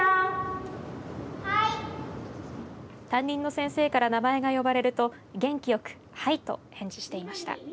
担任の先生から名前を呼ばれると元気よくはいと返事していました。